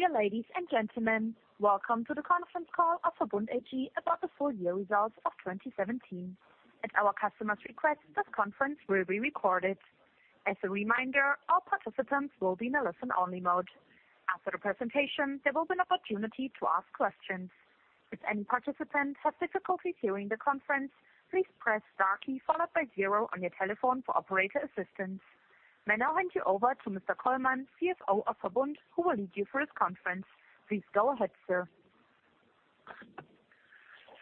Dear ladies and gentlemen, welcome to the conference call of VERBUND AG about the full year results of 2017. At our customers' request, this conference will be recorded. As a reminder, all participants will be in a listen-only mode. After the presentation, there will be an opportunity to ask questions. If any participants have difficulty hearing the conference, please press star key followed by zero on your telephone for operator assistance. May now hand you over to Mr. Kollmann, CFO of VERBUND, who will lead you through this conference. Please go ahead, sir.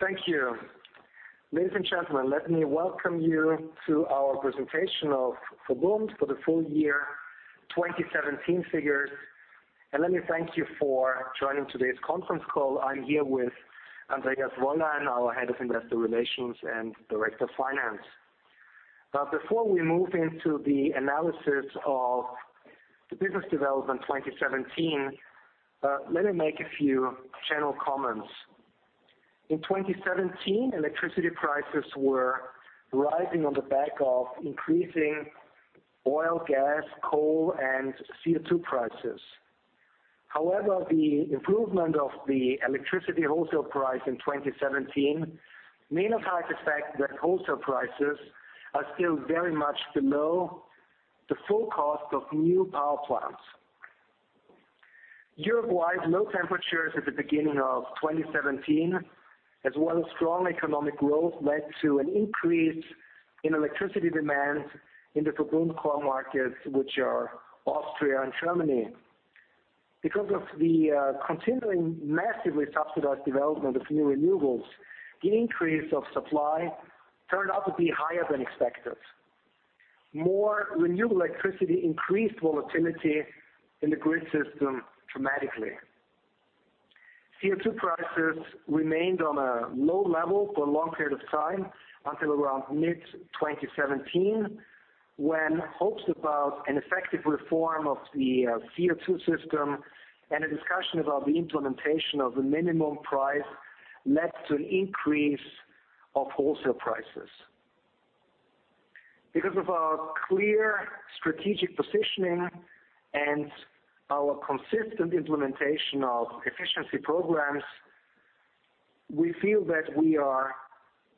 Thank you. Ladies and gentlemen, let me welcome you to our presentation of VERBUND for the full year 2017 figures, and let me thank you for joining today's conference call. I'm here with Andreas Wollein, our Head of Investor Relations and Director of Finance. Before we move into the analysis of the business development 2017, let me make a few general comments. In 2017, electricity prices were rising on the back of increasing oil, gas, coal, and CO2 prices. However, the improvement of the electricity wholesale price in 2017 may not hide the fact that wholesale prices are still very much below the full cost of new power plants. Europe-wide low temperatures at the beginning of 2017, as well as strong economic growth led to an increase in electricity demand in the VERBUND core markets, which are Austria and Germany. Because of the continuing massively subsidized development of new renewables, the increase of supply turned out to be higher than expected. More renewable electricity increased volatility in the grid system dramatically. CO2 prices remained on a low level for a long period of time until around mid-2017, when hopes about an effective reform of the CO2 system and a discussion about the implementation of the minimum price led to an increase of wholesale prices. Because of our clear strategic positioning and our consistent implementation of efficiency programs, we feel that we are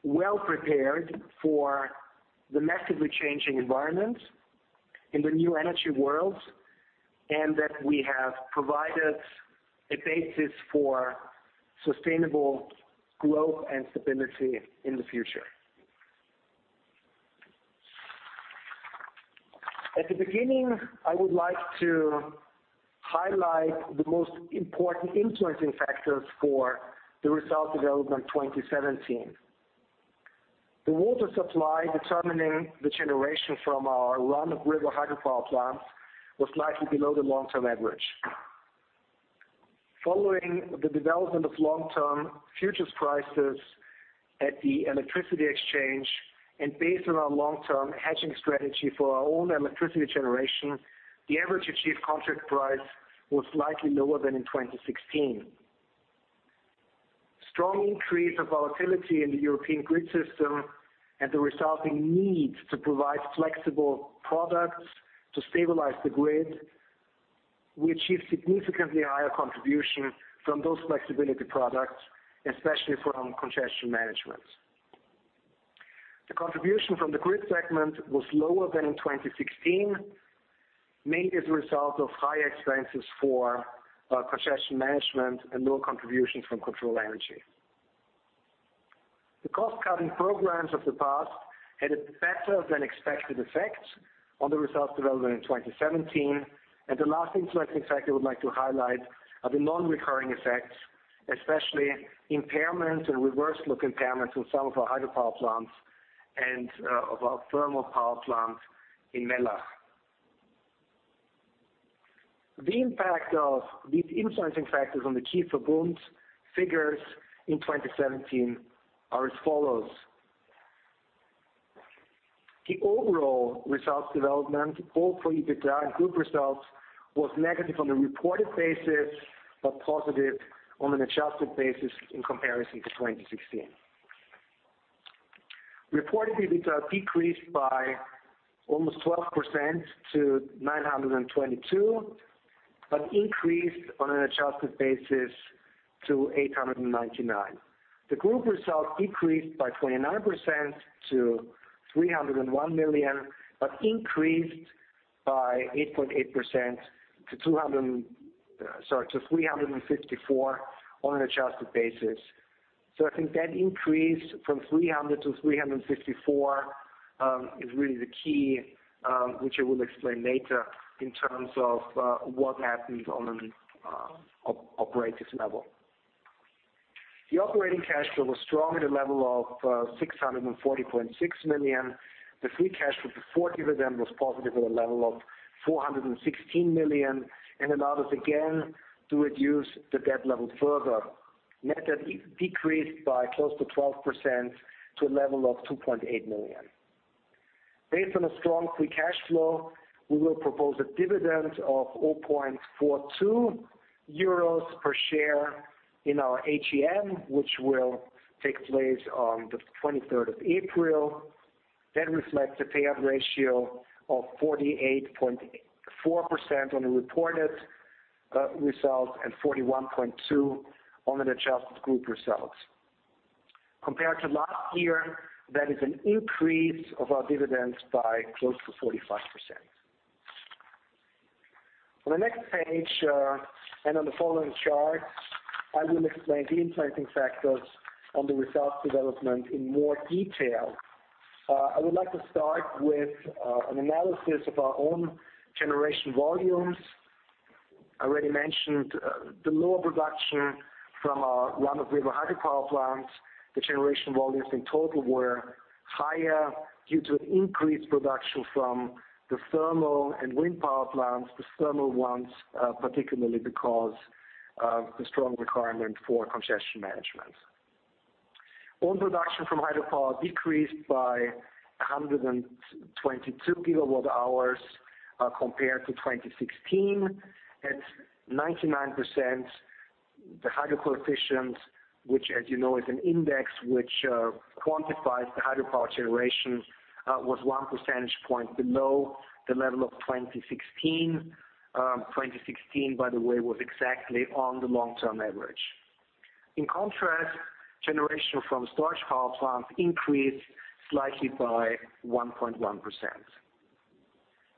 well prepared for the massively changing environment in the new energy world, and that we have provided a basis for sustainable growth and stability in the future. At the beginning, I would like to highlight the most important influencing factors for the result development 2017. The water supply determining the generation from our run-of-river hydropower plants was slightly below the long-term average. Following the development of long-term futures prices at the electricity exchange and based on our long-term hedging strategy for our own electricity generation, the average achieved contract price was slightly lower than in 2016. Strong increase of volatility in the European grid system and the resulting need to provide flexible products to stabilize the grid, we achieved significantly higher contribution from those flexibility products, especially from congestion management. The contribution from the grid segment was lower than in 2016, mainly as a result of higher expenses for congestion management and lower contributions from control energy. The cost-cutting programs of the past had a better than expected effect on the results development in 2017. The last influencing factor I would like to highlight are the non-recurring effects, especially impairment and reverse look impairments in some of our hydropower plants and of our thermal power plant in Mellach. The impact of these influencing factors on the key VERBUND figures in 2017 are as follows. The overall results development, both for EBITDA and group results, was negative on a reported basis, but positive on an adjusted basis in comparison to 2016. Reported EBITDA decreased by almost 12% to 922 million, but increased on an adjusted basis to 899 million. The group results decreased by 29% to 301 million, but increased by 8.8% to 354 million on an adjusted basis. I think that increase from 300 million to 354 million is really the key, which I will explain later in terms of what happened on an operations level. The operating cash flow was strong at a level of 640.6 million. The free cash flow before dividend was positive at a level of 416 million and allowed us again to reduce the debt level further. Net debt decreased by close to 12% to a level of 2.8 billion. Based on a strong free cash flow, we will propose a dividend of 0.42 euros per share in our AGM, which will take place on the 23rd of April, that reflects the payout ratio of 48.4% on the reported results and 41.2% on an adjusted group results. Compared to last year, that is an increase of our dividends by close to 45%. On the next page and on the following chart, I will explain the influencing factors on the results development in more detail. I would like to start with an analysis of our own generation volumes. I already mentioned the lower production from our run-of-river hydropower plants. The generation volumes in total were higher due to increased production from the thermal and wind power plants, the thermal ones particularly because of the strong requirement for congestion management. Own production from hydropower decreased by 122 GWh compared to 2016. At 99%, the hydro coefficients, which as you know is an index which quantifies the hydropower generation, was 1 percentage point below the level of 2016. 2016, by the way, was exactly on the long-term average. In contrast, generation from storage power plants increased slightly by 1.1%.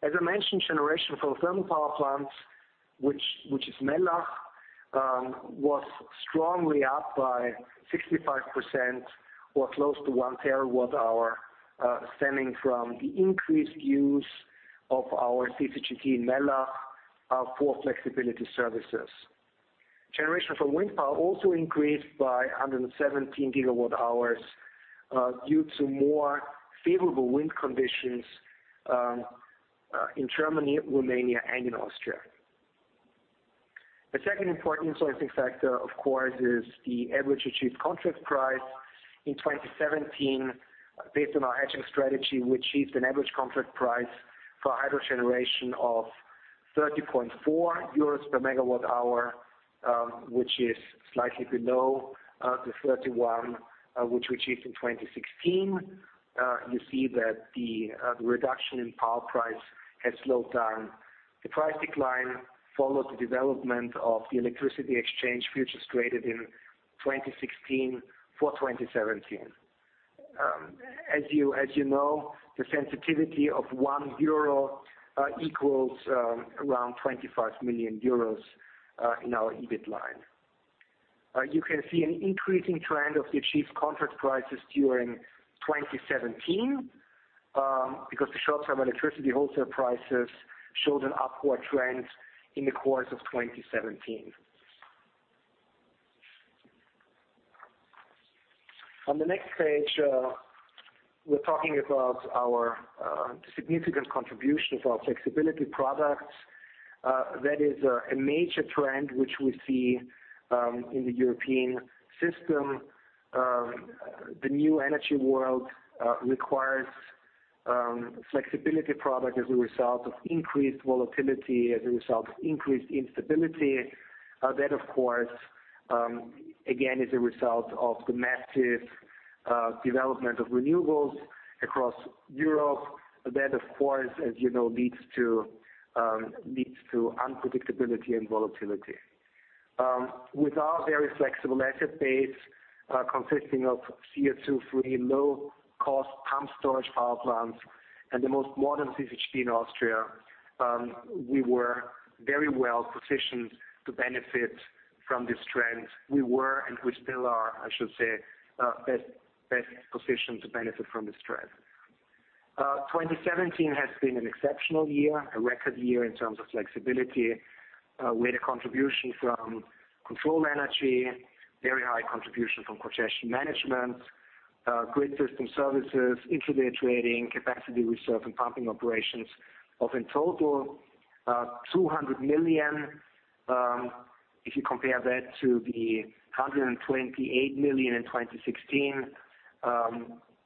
As I mentioned, generation from thermal power plants, which is Mellach, was strongly up by 65% or close to 1 TWh, stemming from the increased use of our CCGT Mellach for flexibility services. Generation from wind power also increased by 117 GWh due to more favorable wind conditions in Germany, Romania, and in Austria. The second important influencing factor, of course, is the average achieved contract price. In 2017, based on our hedging strategy, we achieved an average contract price for hydro generation of 30.4 euros per MWh, which is slightly below the 31, which we achieved in 2016. You see that the reduction in power price has slowed down. The price decline followed the development of the electricity exchange futures traded in 2016 for 2017. As you know, the sensitivity of 1 euro equals around 25 million euros in our EBIT line. You can see an increasing trend of the achieved contract prices during 2017, because the short-term electricity wholesale prices showed an upward trend in the course of 2017. On the next page, we're talking about our significant contribution of our flexibility products. That is a major trend which we see in the European system. The new energy world requires flexibility products as a result of increased volatility, as a result of increased instability. That, of course, again, is a result of the massive development of renewables across Europe. That, of course, as you know, leads to unpredictability and volatility. With our very flexible asset base, consisting of CO2-free, low-cost pumped storage power plants and the most modern CCGT in Austria, we were very well positioned to benefit from this trend. We were and we still are, I should say, best positioned to benefit from this trend. 2017 has been an exceptional year, a record year in terms of flexibility, with a contribution from control energy, very high contribution from congestion management, grid system services, intraday trading, capacity reserve, and pumping operations of in total, 200 million. If you compare that to the 128 million in 2016,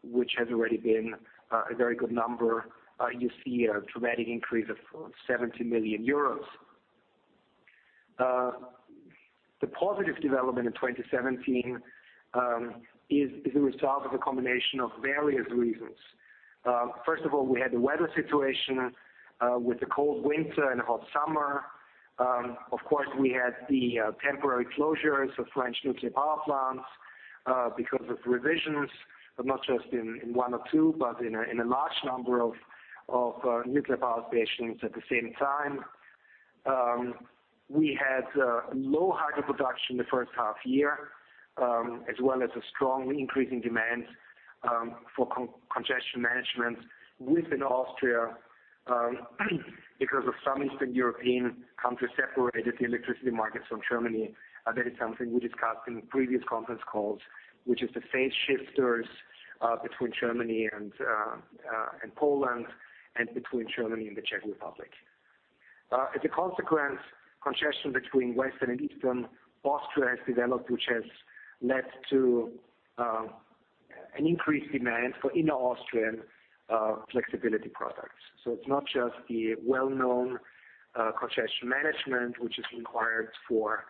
which has already been a very good number, you see a dramatic increase of 70 million euros. The positive development in 2017 is a result of a combination of various reasons. First of all, we had the weather situation with the cold winter and hot summer. Of course, we had the temporary closures of French nuclear power plants because of revisions, but not just in one or two, but in a large number of nuclear power stations at the same time. We had low hydro production in the first half year, as well as a strong increase in demand for congestion management within Austria because of some Eastern European countries separated the electricity markets from Germany. That is something we discussed in previous conference calls, which is the phase shifters between Germany and Poland and between Germany and the Czech Republic. As a consequence, congestion between Western and Eastern Austria has developed, which has led to an increased demand for inner Austrian flexibility products. It's not just the well-known congestion management, which is required for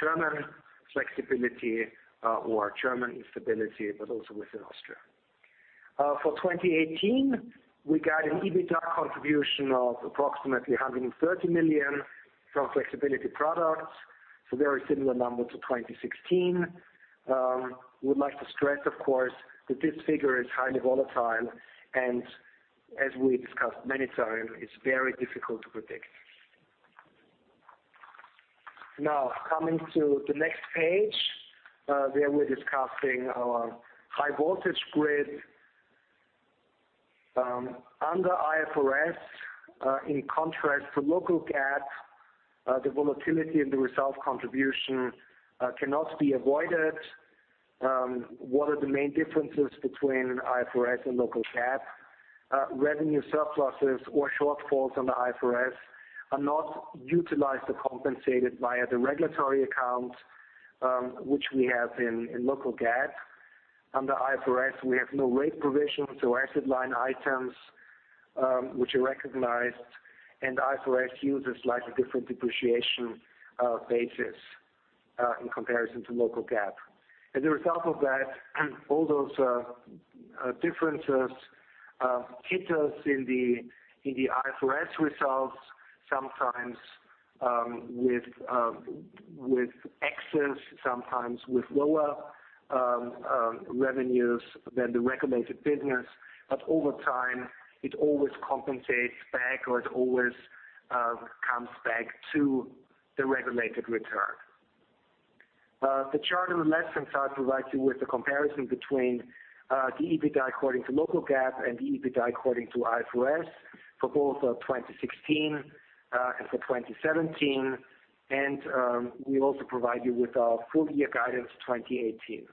German flexibility or German instability, but also within Austria. For 2018, we got an EBITDA contribution of approximately 130 million from flexibility products, very similar number to 2016. We would like to stress, of course, that this figure is highly volatile, and as we discussed many times, it's very difficult to predict. Coming to the next page, where we're discussing our high voltage grid. Under IFRS, in contrast to local GAAP, the volatility in the result contribution cannot be avoided. What are the main differences between IFRS and local GAAP? Revenue surpluses or shortfalls on the IFRS are not utilized or compensated via the regulatory account, which we have in local GAAP. Under IFRS, we have no rate provisions or asset line items, which are recognized, and IFRS uses slightly different depreciation basis in comparison to local GAAP. All those differences hit us in the IFRS results, sometimes with excess, sometimes with lower revenues than the regulated business. Over time, it always compensates back, or it always comes back to the regulated return. The chart on the left-hand side provides you with the comparison between the EBITDA according to local GAAP and the EBITDA according to IFRS for both 2016 and for 2017. We will also provide you with our full year guidance 2018.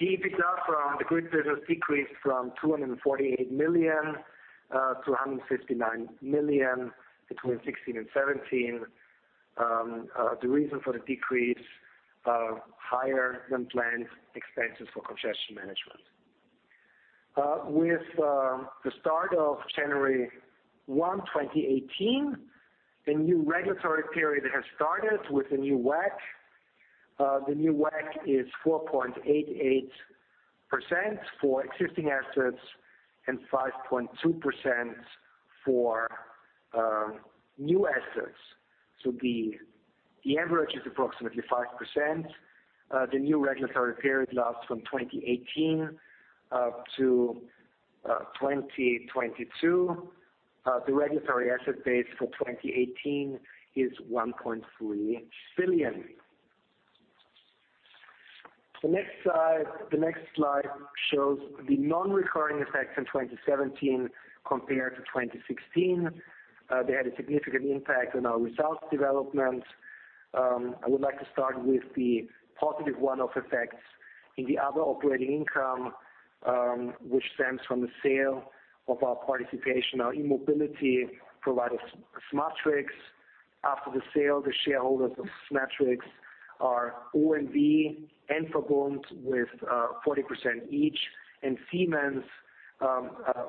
The EBITDA from the grid business decreased from 248 million to 159 million between 2016 and 2017. The reason for the decrease, higher-than-planned expenses for congestion management. With the start of January 1, 2018, the new regulatory period has started with a new WACC. The new WACC is 4.88% for existing assets and 5.2% for new assets. The average is approximately 5%. The new regulatory period lasts from 2018 up to 2022. The regulatory asset base for 2018 is 1.3 billion. The next slide shows the non-recurring effects in 2017 compared to 2016. They had a significant impact on our results development. I would like to start with the positive one-off effects in the other operating income, which stems from the sale of our participation, our e-mobility provider, SMATRICS. After the sale, the shareholders of SMATRICS are OMV and VERBUND with 40% each and Siemens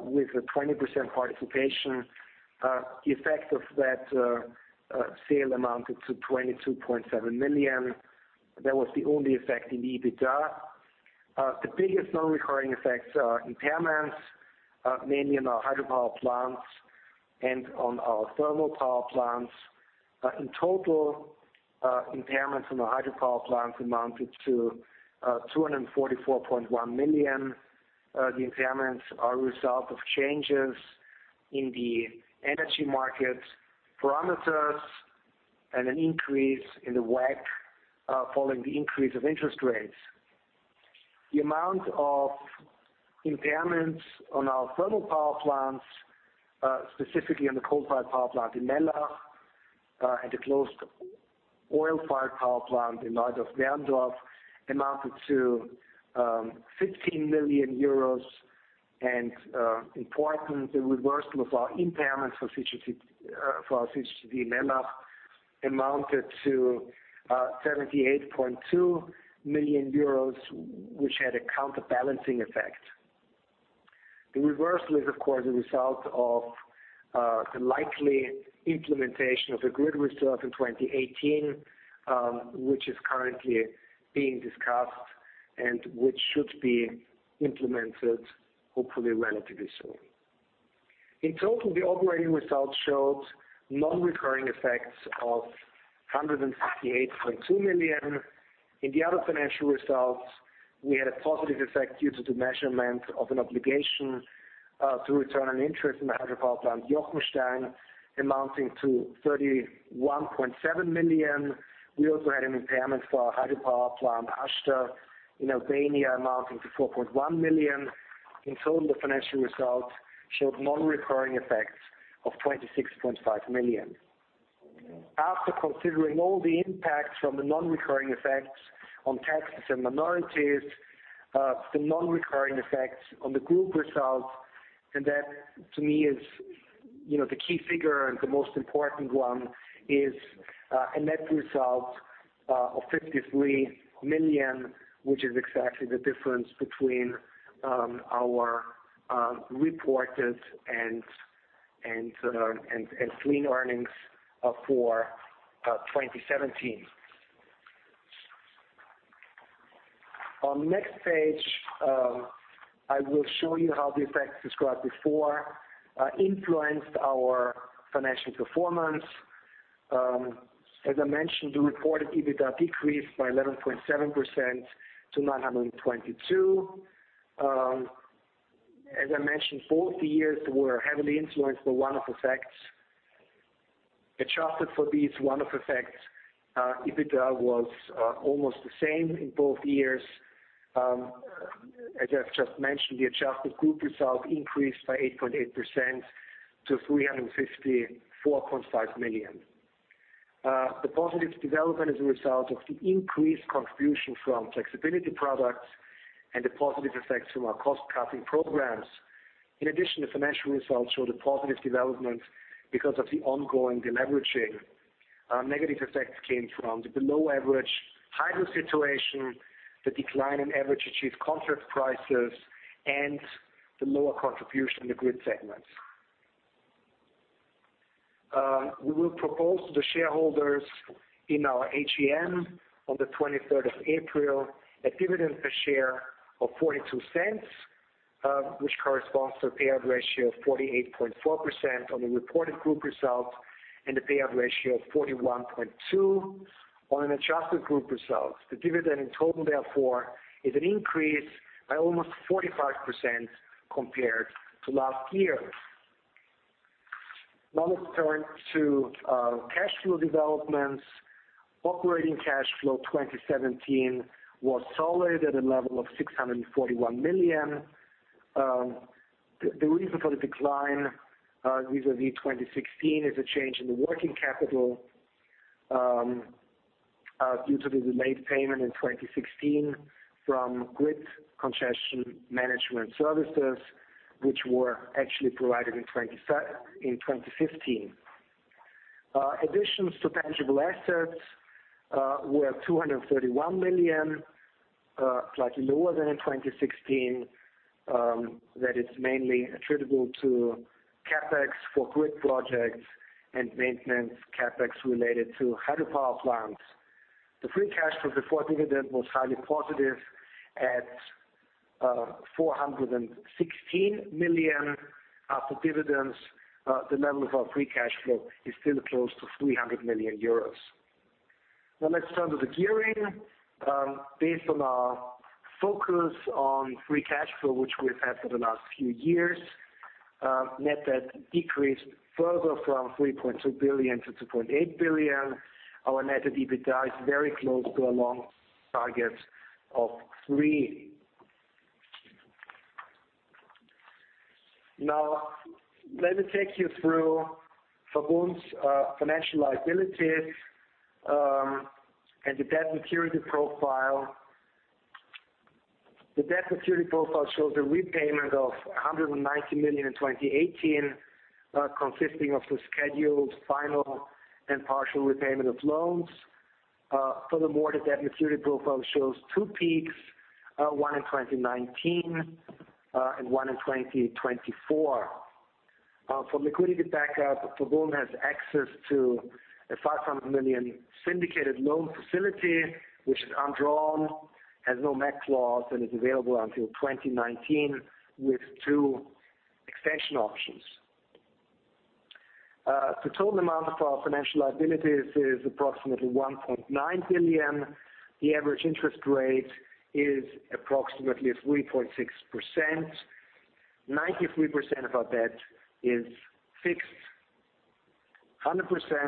with a 20% participation. The effect of that sale amounted to 22.7 million. That was the only effect in the EBITDA. The biggest non-recurring effects are impairments, mainly in our hydropower plants and on our thermal power plants. In total, impairments in the hydropower plants amounted to 244.1 million. The impairments are a result of changes in the energy market parameters and an increase in the WACC following the increase of interest rates. The amount of impairments on our thermal power plants, specifically on the coal-fired power plant in Mellach, and the closed oil-fired power plant in Neudorf-Werndorf, amounted to EUR 15 million. Importantly, the reversal of our impairments for CCGT Mellach amounted to 78.2 million euros, which had a counterbalancing effect. The reversal is, of course, a result of the likely implementation of a grid reserve in 2018, which is currently being discussed and which should be implemented hopefully relatively soon. In total, the operating results showed non-recurring effects of 158.2 million. In the other financial results, we had a positive effect due to the measurement of an obligation to return an interest in the hydropower plant Jochenstein amounting to 31.7 million. We also had an impairment for our hydropower plant Ashta in Albania amounting to 4.1 million. In total, the financial results showed non-recurring effects of 26.5 million. After considering all the impacts from the non-recurring effects on taxes and minorities, the non-recurring effects on the group results, that to me is the key figure and the most important one is a net result of 53 million, which is exactly the difference between our reported and clean earnings for 2017. On next page, I will show you how the effects described before influenced our financial performance. As I mentioned, the reported EBITDA decreased by 11.7% to 922 million. As I mentioned, both years were heavily influenced by one-off effects. Adjusted for these one-off effects, EBITDA was almost the same in both years. As I've just mentioned, the adjusted group result increased by 8.8% to 354.5 million. The positive development is a result of the increased contribution from flexibility products and the positive effects from our cost-cutting programs. The financial results show the positive development because of the ongoing deleveraging. Negative effects came from the below-average hydro situation, the decline in average achieved contract prices, and the lower contribution in the grid segment. We will propose to the shareholders in our AGM on the 23rd of April, a dividend per share of 0.42, which corresponds to a payout ratio of 48.4% on the reported group results and a payout ratio of 41.2% on an adjusted group result. The dividend in total, therefore, is an increase by almost 45% compared to last year. Now let's turn to cash flow developments. Operating cash flow 2017 was solid at a level of 641 million. The reason for the decline vis-à-vis 2016 is a change in the working capital due to the delayed payment in 2016 from grid concession management services, which were actually provided in 2015. Additions to tangible assets were 231 million, slightly lower than in 2016. That is mainly attributable to CapEx for grid projects and maintenance CapEx related to hydropower plants. The free cash flow before dividend was highly positive at 416 million. After dividends, the level of our free cash flow is still close to 300 million euros. Now let's turn to the gearing. Based on our focus on free cash flow, which we've had for the last few years, net debt decreased further from 3.2 billion to 2.8 billion. Our net EBITDA is very close to our long target of 3. Now, let me take you through VERBUND's financial liabilities and the debt maturity profile. The debt maturity profile shows a repayment of 190 million in 2018, consisting of the scheduled final and partial repayment of loans. The debt maturity profile shows two peaks, one in 2019 and one in 2024. For liquidity backup, VERBUND has access to a 500 million syndicated loan facility, which is undrawn, has no MAC clause, and is available until 2019 with two extension options. The total amount of our financial liabilities is approximately 1.9 billion. The average interest rate is approximately 3.6%. 93% of our debt is fixed. 100%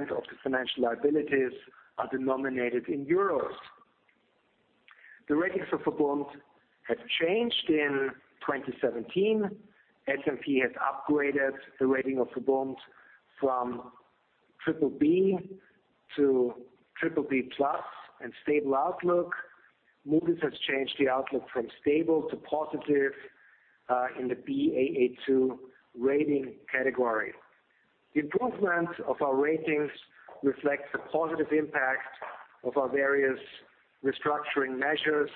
of the financial liabilities are denominated in EUR. The ratings for VERBUND have changed in 2017. S&P has upgraded the rating of VERBUND from BBB to BBB+ and stable outlook. Moody's has changed the outlook from stable to positive in the Baa2 rating category. The improvement of our ratings reflects the positive impact of our various restructuring measures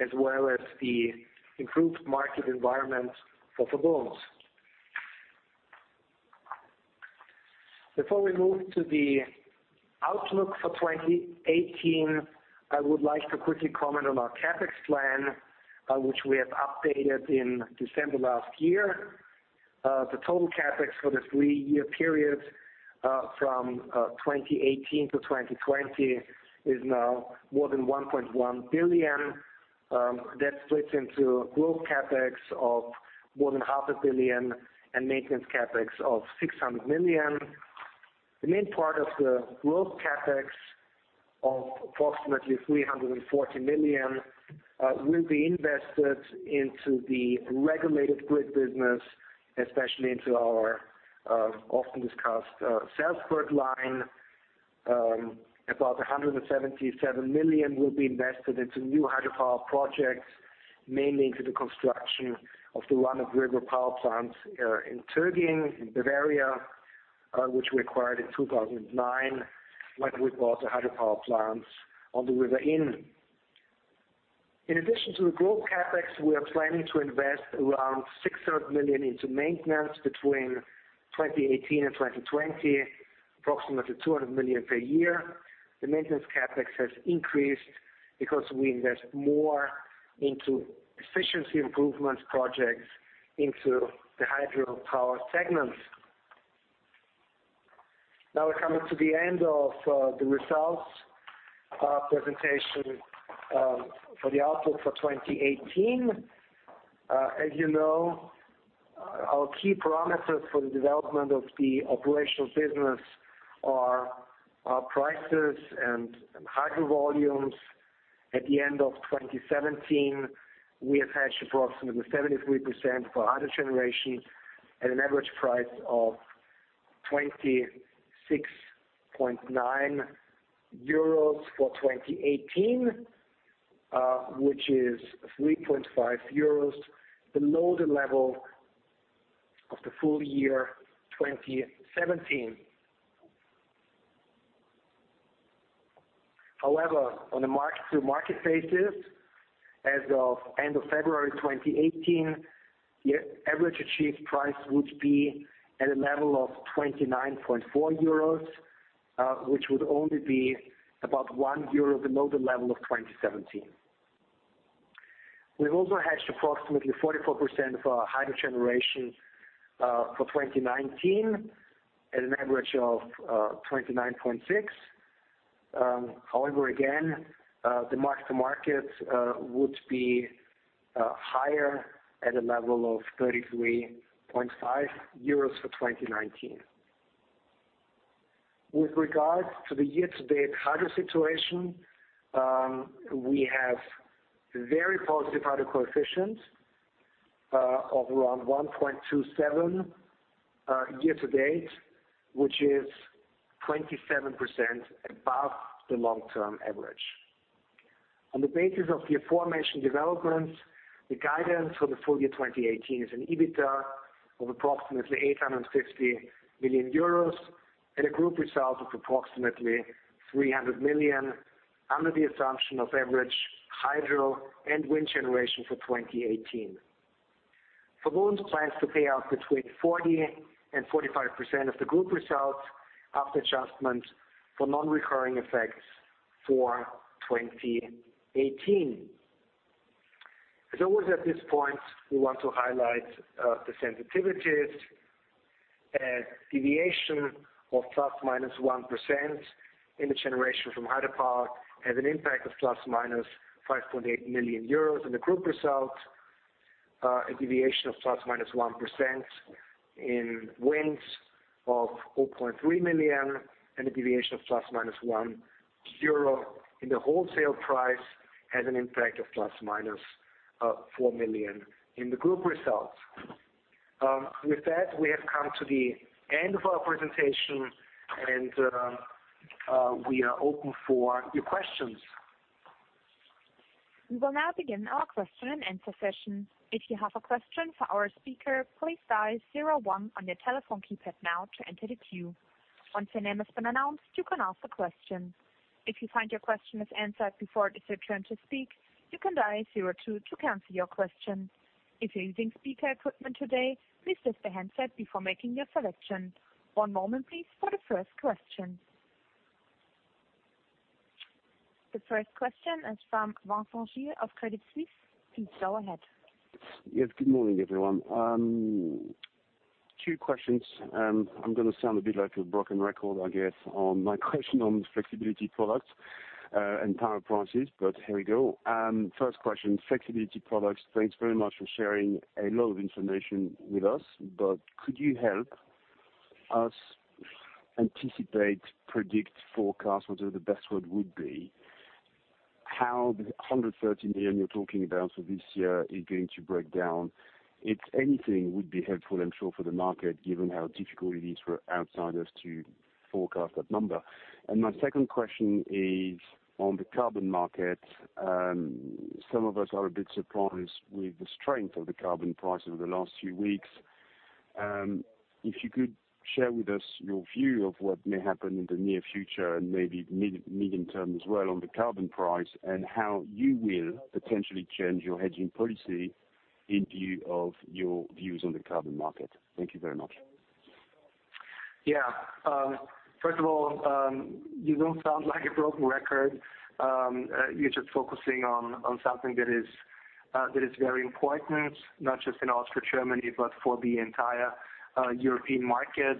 as well as the improved market environment for VERBUND. Before we move to the outlook for 2018, I would like to quickly comment on our CapEx plan, which we have updated in December last year. The total CapEx for the three-year period from 2018 to 2020 is now more than 1.1 billion. That splits into growth CapEx of more than half a billion EUR and maintenance CapEx of 600 million. The main part of the growth CapEx of approximately 340 million will be invested into the regulated grid business, especially into our often-discussed Salzburg line. About 177 million will be invested into new hydropower projects, mainly into the construction of the run-of-river power plants in Töging, in Bavaria, which we acquired in 2009, when we bought the hydropower plants on the River Inn. In addition to the growth CapEx, we are planning to invest around 600 million into maintenance between 2018 and 2020, approximately 200 million per year. The maintenance CapEx has increased because we invest more into efficiency improvement projects into the hydropower segments. We're coming to the end of the results presentation for the outlook for 2018. As you know, our key parameters for the development of the operational business are our prices and hydro volumes. At the end of 2017, we have hedged approximately 73% for hydro generation at an average price of 26.9 euros for 2018, which is 3.5 euros below the level of the full year 2017. On the mark-to-market basis, as of end of February 2018, the average achieved price would be at a level of 29.4 euros, which would only be about 1 euro below the level of 2017. We've also hedged approximately 44% of our hydro generation for 2019 at an average of 29.6. Again, the mark-to-market would be higher at a level of 33.5 euros for 2019. With regards to the year-to-date hydro situation, we have very positive hydro coefficient of around 1.27 year to date, which is 27% above the long-term average. On the basis of the aforementioned developments, the guidance for the full year 2018 is an EBITDA of approximately 850 million euros and a group result of approximately 300 million under the assumption of average hydro and wind generation for 2018. VERBUND plans to pay out between 40% and 45% of the group results after adjustment for non-recurring effects for 2018. As always, at this point, we want to highlight the sensitivities. A deviation of +/- 1% in the generation from hydropower has an impact of +/- 5.8 million euros in the group result. A deviation of +/- 1% in wind of 4.3 million, and a deviation of +/- 1 euro in the wholesale price has an impact of +/- 4 million in the group results. With that, we have come to the end of our presentation, and we are open for your questions. We will now begin our question-and-answer session. If you have a question for our speaker, please dial zero one on your telephone keypad now to enter the queue. Once your name has been announced, you can ask a question. If you find your question is answered before it is your turn to speak, you can dial zero two to cancel your question. If you're using speaker equipment today, please test the handset before making your selection. One moment, please, for the first question. The first question is from Vincent Gilles of Credit Suisse. Please go ahead. Yes. Good morning, everyone. Two questions. I am going to sound a bit like a broken record, I guess on my question on flexibility products and power prices. Here we go. First question, flexibility products. Thanks very much for sharing a lot of information with us. Could you help us anticipate, predict, forecast, whatever the best word would be, how the 113 million you are talking about for this year is going to break down? If anything would be helpful, I am sure for the market, given how difficult it is for outsiders to forecast that number. My second question is on the carbon market. Some of us are a bit surprised with the strength of the carbon price over the last few weeks. If you could share with us your view of what may happen in the near future and maybe medium-term as well on the carbon price and how you will potentially change your hedging policy in view of your views on the carbon market. Thank you very much. First of all, you do not sound like a broken record. You are just focusing on something that is very important, not just in Austria, Germany, but for the entire European market.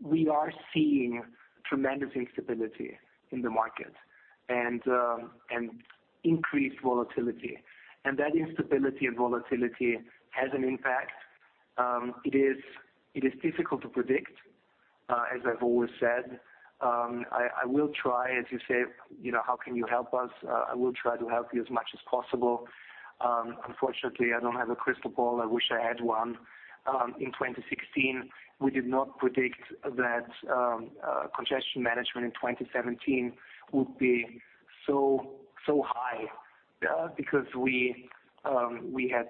We are seeing tremendous instability in the market and increased volatility. That instability and volatility has an impact. It is difficult to predict, as I have always said. I will try, as you say, how can you help us? I will try to help you as much as possible. Unfortunately, I do not have a crystal ball. I wish I had one. In 2016, we did not predict that congestion management in 2017 would be so high. We had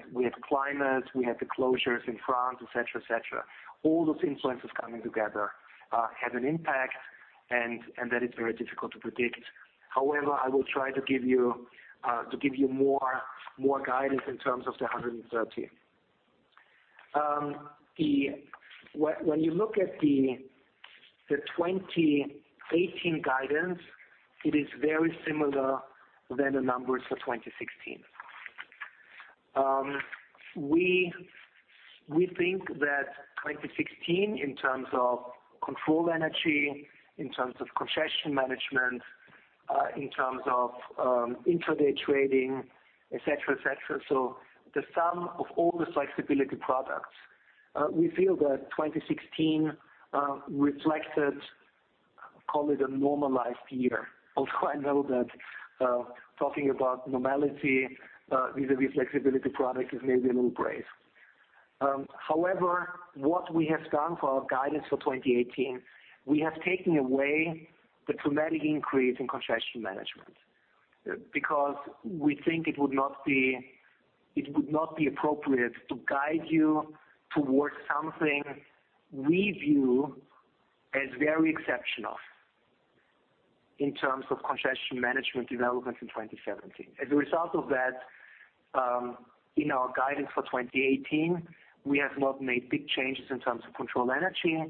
climate, we had the closures in France, et cetera. All those influences coming together had an impact, and that is very difficult to predict. However, I will try to give you more guidance in terms of the 130. When you look at the 2018 guidance, it is very similar than the numbers for 2016. We think that 2016 in terms of control energy, in terms of congestion management, in terms of intraday trading, et cetera. The sum of all the flexibility products, we feel that 2016 reflected, call it a normalized year. Although I know that talking about normality vis-à-vis flexibility products is maybe a little brave. However, what we have done for our guidance for 2018, we have taken away the dramatic increase in congestion management. We think it would not be appropriate to guide you towards something we view as very exceptional in terms of congestion management development in 2017. As a result of that, in our guidance for 2018, we have not made big changes in terms of control energy.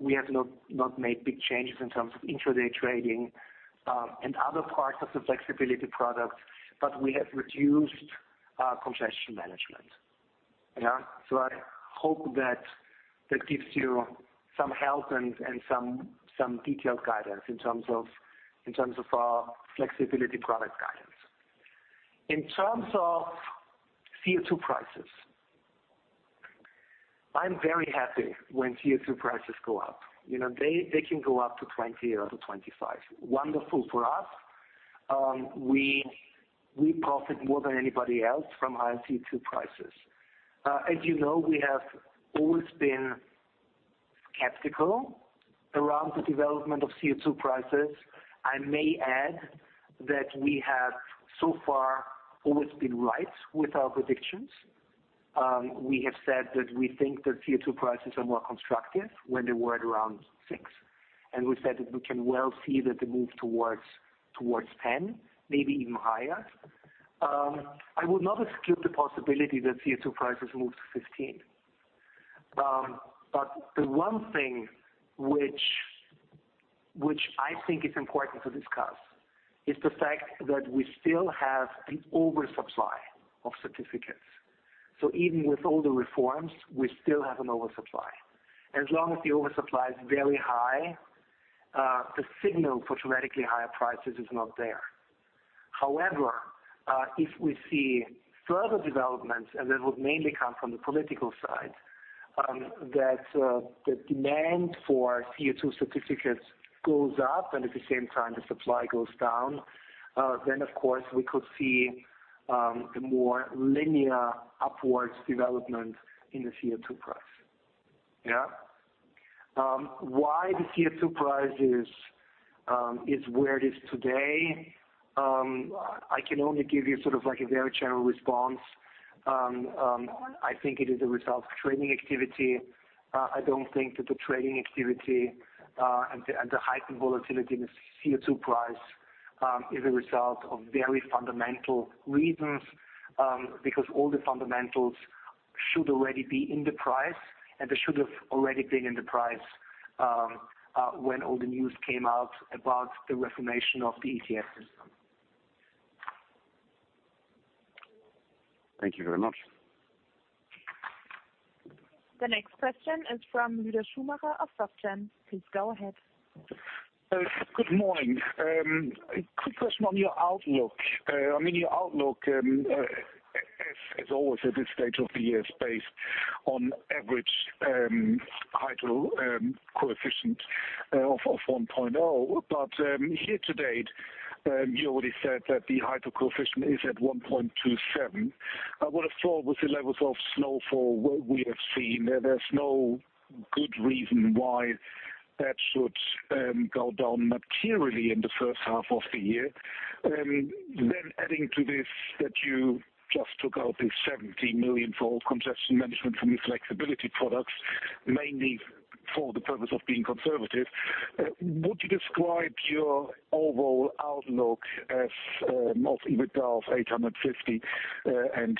We have not made big changes in terms of intraday trading and other parts of the flexibility product, but we have reduced congestion management. I hope that gives you some help and some detailed guidance in terms of our flexibility product guidance. In terms of CO2 prices, I am very happy when CO2 prices go up. They can go up to 20 or to 25. Wonderful for us. We profit more than anybody else from high CO2 prices. As you know, we have always been skeptical around the development of CO2 prices. I may add that we have so far always been right with our predictions. We have said that we think that CO2 prices are more constructive when they were at around six. We said that we can well see that they move towards 10, maybe even higher. I would not exclude the possibility that CO2 prices move to 15. The one thing which I think is important to discuss is the fact that we still have an oversupply of certificates. Even with all the reforms, we still have an oversupply. As long as the oversupply is very high, the signal for dramatically higher prices is not there. However, if we see further developments, and that would mainly come from the political side, that the demand for CO2 certificates goes up and at the same time the supply goes down, then of course we could see a more linear upwards development in the CO2 price. Why the CO2 price is where it is today, I can only give you a very general response. I think it is a result of trading activity. I don't think that the trading activity and the heightened volatility in the CO2 price is a result of very fundamental reasons, because all the fundamentals should already be in the price, and they should have already been in the price when all the news came out about the reformation of the ETS system. Thank you very much. The next question is from Ryuta Schumacher of SoftBank. Please go ahead. Good morning. Quick question on your outlook. Your outlook, as always at this stage of the year, is based on average hydro coefficient of 1.0. Year to date, you already said that the hydro coefficient is at 1.27. I would have thought with the levels of snowfall what we have seen, there's no good reason why that should go down materially in the first half of the year. Adding to this that you just took out the 70 million for congestion management from your flexibility products, mainly for the purpose of being conservative. Would you describe your overall outlook of EBITDA of 850 and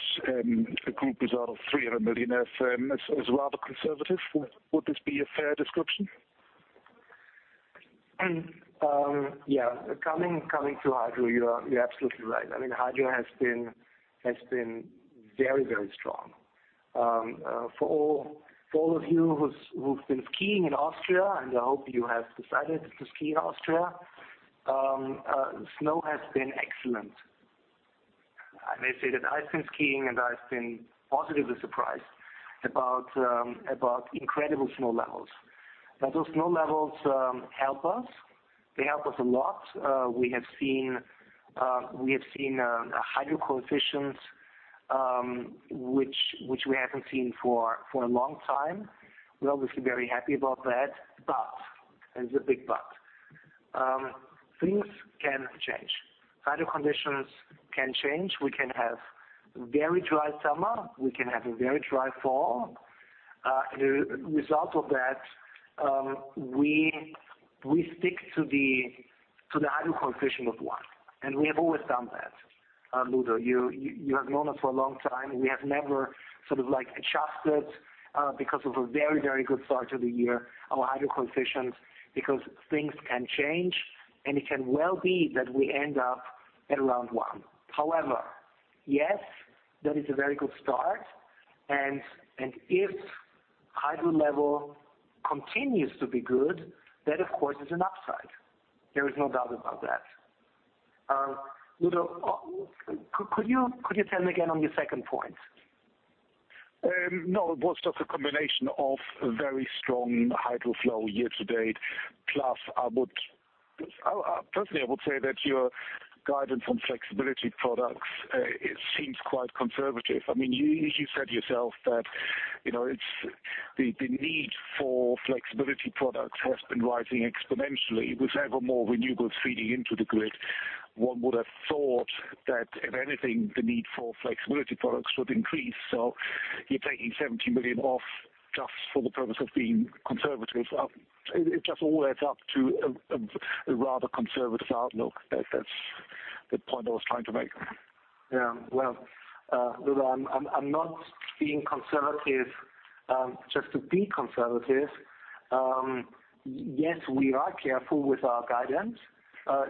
a group result of 300 million as rather conservative? Would this be a fair description? Yeah. Coming to hydro, you're absolutely right. Hydro has been very strong. For all of you who've been skiing in Austria, and I hope you have decided to ski in Austria, snow has been excellent. I may say that I've been skiing, and I've been positively surprised about incredible snow levels. Now, those snow levels help us. They help us a lot. We have seen hydro coefficients, which we haven't seen for a long time. We're obviously very happy about that. There's a big but. Things can change. Hydro conditions can change. We can have a very dry summer. We can have a very dry fall. As a result of that, we stick to the hydro coefficient of one, and we have always done that. Ludo, you have known us for a long time. We have never adjusted, because of a very good start to the year, our hydro coefficients, because things can change, and it can well be that we end up at around one. However, yes, that is a very good start, and if hydro level continues to be good, that, of course, is an upside. There is no doubt about that. Ludo, could you tell me again on your second point? No, it was just a combination of very strong hydro flow year to date. Plus, personally, I would say that your guidance on flexibility products seems quite conservative. You said yourself that the need for flexibility products has been rising exponentially with ever more renewables feeding into the grid. One would have thought that, if anything, the need for flexibility products would increase. You're taking 70 million off just for the purpose of being conservative. It just all adds up to a rather conservative outlook. That's the point I was trying to make. Yeah. Well, Ludo, I'm not being conservative just to be conservative. Yes, we are careful with our guidance,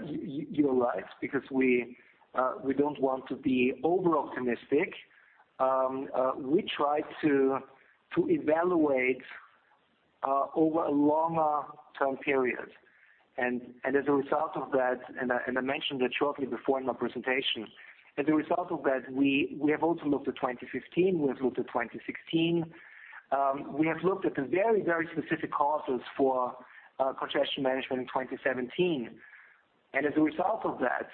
you're right, because we don't want to be over-optimistic. We try to evaluate over a longer term period, and I mentioned that shortly before in my presentation. As a result of that, we have also looked at 2015, we have looked at 2016. We have looked at the very specific causes for congestion management in 2017. As a result of that,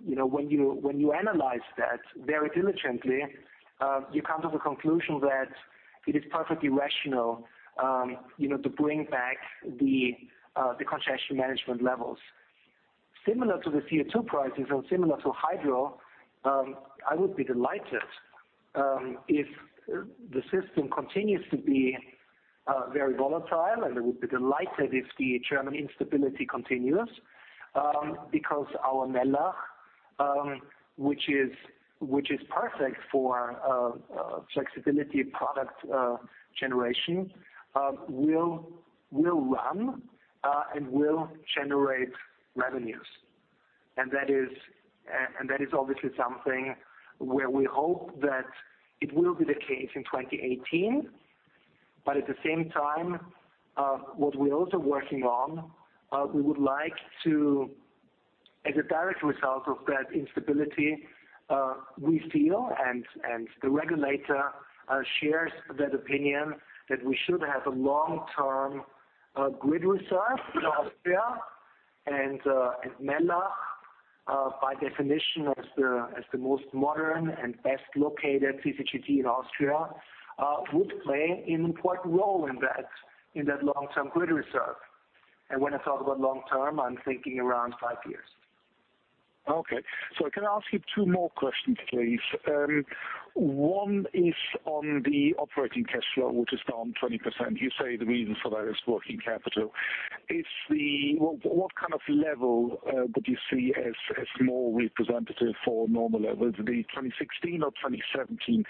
when you analyze that very diligently, you come to the conclusion that it is perfectly rational to bring back the congestion management levels. Similar to the CO2 prices and similar to hydro, I would be delighted if the system continues to be very volatile, and I would be delighted if the German instability continues, because our Mellach, which is perfect for flexibility product generation, will run and will generate revenues. That is obviously something where we hope that it will be the case in 2018. At the same time, what we're also working on, as a direct result of that instability, we feel, and the regulator shares that opinion, that we should have a long-term grid reserve in Austria. Mellach, by definition, as the most modern and best-located CCGT in Austria, would play an important role in that long-term grid reserve. When I talk about long-term, I'm thinking around five years. Okay. Can I ask you two more questions, please? One is on the operating cash flow, which is down 20%. You say the reason for that is working capital. What kind of level would you see as more representative for normal levels, the 2016 or 2017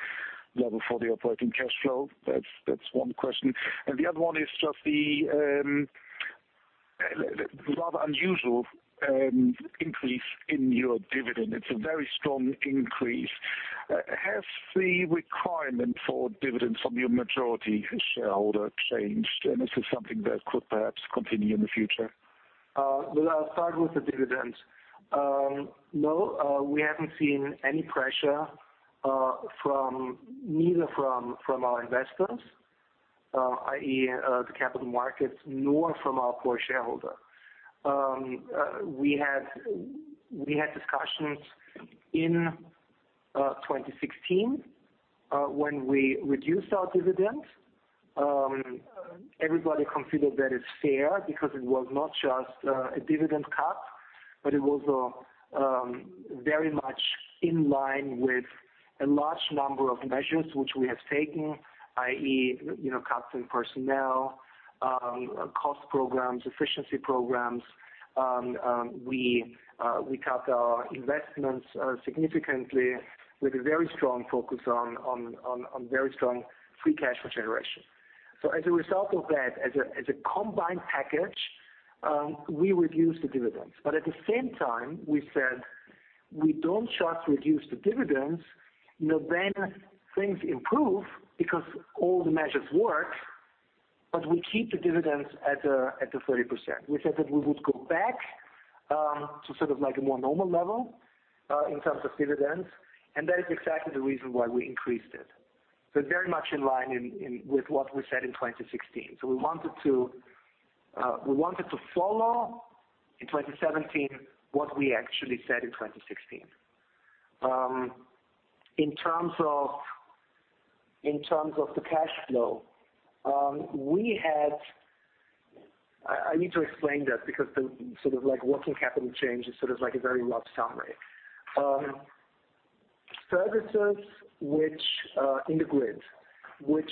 level for the operating cash flow? That's one question. The other one is just the rather unusual increase in your dividend. It's a very strong increase. Has the requirement for dividends from your majority shareholder changed? This is something that could perhaps continue in the future. I'll start with the dividend. No, we haven't seen any pressure from neither from our investors, i.e., the capital markets, nor from our core shareholder. We had discussions in 2016, when we reduced our dividend. Everybody considered that as fair because it was not just a dividend cut, but it was very much in line with a large number of measures which we have taken, i.e., cuts in personnel, cost programs, efficiency programs. We cut our investments significantly with a very strong focus on very strong free cash flow generation. As a result of that, as a combined package, we reduced the dividends. At the same time, we said we don't just reduce the dividends. Things improve because all the measures work. We keep the dividends at the 30%. We said that we would go back to a more normal level in terms of dividends. That is exactly the reason why we increased it. Very much in line with what we said in 2016. We wanted to follow in 2017 what we actually said in 2016. In terms of the cash flow, I need to explain that because working capital change is a very rough summary. Services in the grid, which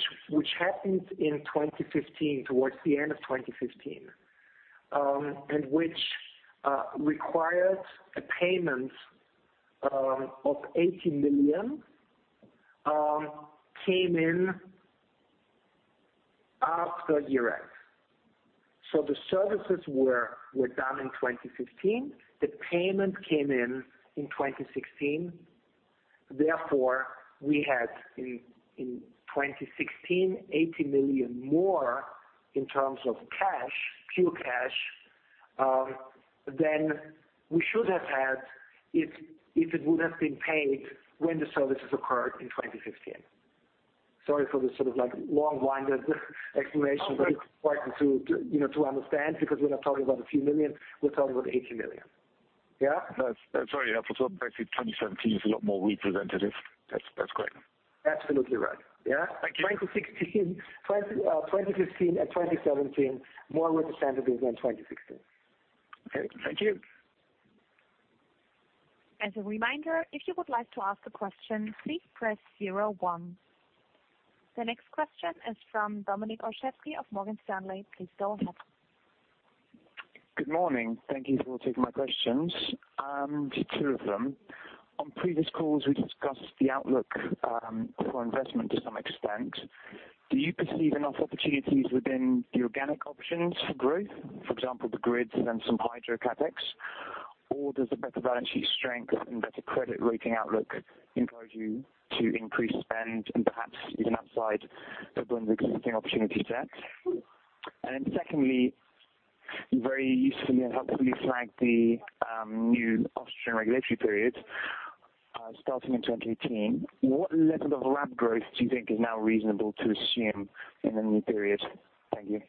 happened in 2015, towards the end of 2015, and which required a payment of EUR 80 million, came in after year-end. The services were done in 2015. The payment came in 2016, therefore, we had in 2016, 80 million more in terms of cash, pure cash, than we should have had if it would have been paid when the services occurred in 2015. Sorry for the long-winded explanation- No. It's important to understand because we're not talking about a few million. We're talking about 80 million. Yeah? That's very helpful. Basically 2017 is a lot more representative. That's great. Absolutely right. Yeah. Thank you. 2015 and 2017, more representative than 2016. Okay. Thank you. As a reminder, if you would like to ask a question, please press zero one. The next question is from Dominik Olszewski of Morgan Stanley. Please go ahead. Good morning. Thank you for taking my questions, two of them. On previous calls, we discussed the outlook for investment to some extent. Do you perceive enough opportunities within the organic options for growth, for example, the grids and some hydro CapEx? Or does the better balance sheet strength and better credit rating outlook encourage you to increase spend and perhaps even outside the existing opportunity set? Secondly, very usefully and helpfully flagged the new Austrian regulatory period, starting in 2018. What level of ramp growth do you think is now reasonable to assume in the new period? Thank you.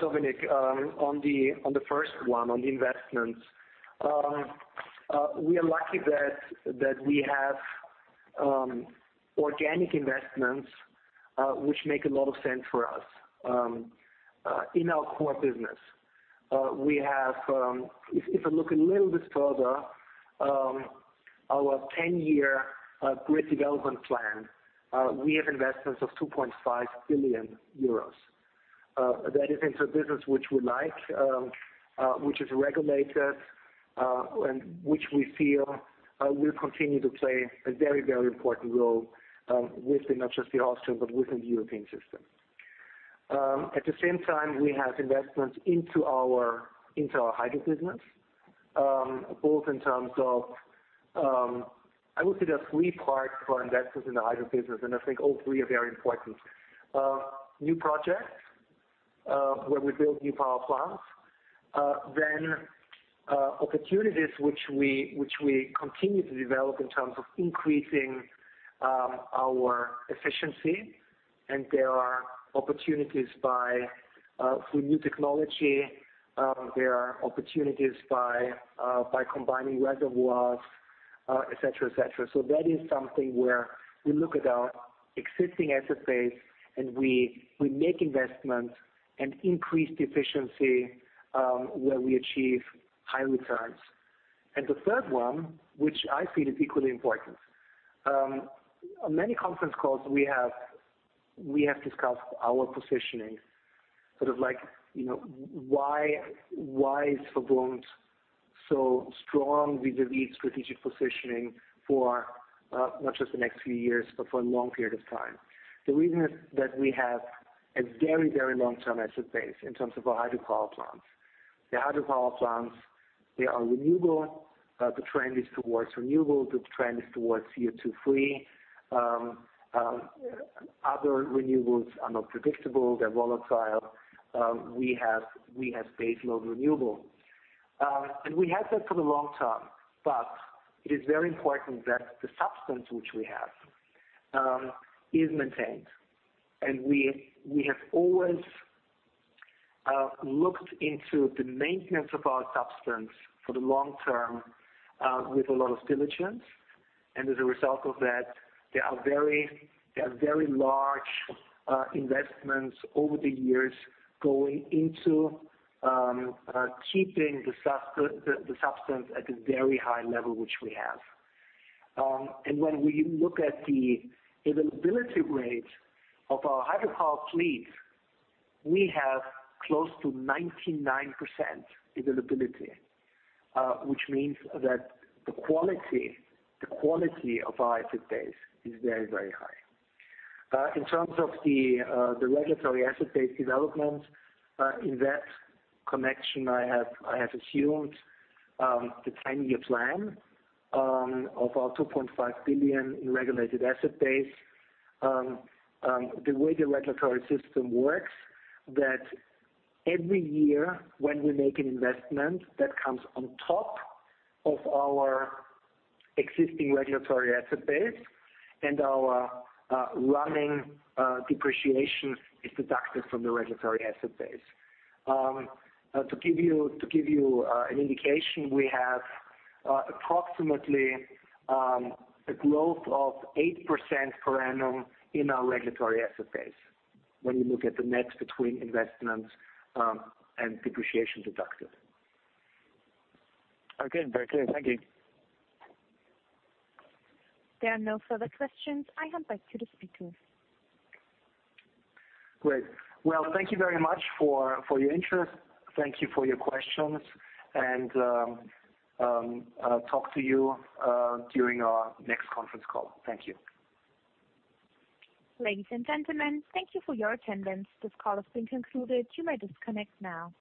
Dominik. On the first one, on the investments, we are lucky that we have organic investments, which make a lot of sense for us, in our core business. If I look a little bit further, our 10-year grid development plan, we have investments of 2.5 billion euros. That is in a business which we like, which is regulated, and which we feel will continue to play a very important role, within not just the Austrian, but within the European system. At the same time, we have investments into our hydro business, both in terms of, I would say there are three parts for investments in the hydro business, and I think all three are very important. New projects, where we build new power plants. Opportunities which we continue to develop in terms of increasing our efficiency, and there are opportunities through new technology, there are opportunities by combining reservoirs, et cetera. That is something where we look at our existing asset base, and we make investments and increase the efficiency, where we achieve high returns. The third one, which I feel is equally important. On many conference calls we have discussed our positioning, why is VERBUND so strong vis-a-vis strategic positioning for not just the next few years, but for a long period of time? The reason is that we have a very long-term asset base in terms of our hydropower plants. The hydropower plants, they are renewable. The trend is towards renewable, the trend is towards CO2-free. Other renewables are not predictable, they're volatile. We have base load renewable. We have that for the long term, but it is very important that the substance which we have is maintained. We have always looked into the maintenance of our substance for the long term, with a lot of diligence. As a result of that, there are very large investments over the years going into keeping the substance at the very high level which we have. When we look at the availability rate of our hydropower fleet, we have close to 99% availability, which means that the quality of our asset base is very high. In terms of the regulatory asset base development, in that connection, I have assumed the 10-year plan of our 2.5 billion in regulatory asset base. The way the regulatory system works, that every year when we make an investment, that comes on top of our existing regulatory asset base and our running depreciation is deducted from the regulatory asset base. To give you an indication, we have approximately a growth of 8% per annum in our regulatory asset base, when you look at the net between investments and depreciation deducted. Okay. Very clear. Thank you. There are no further questions. I hand back to the speakers. Well, thank you very much for your interest. Thank you for your questions, and I'll talk to you during our next conference call. Thank you. Ladies and gentlemen, thank you for your attendance. This call has been concluded. You may disconnect now.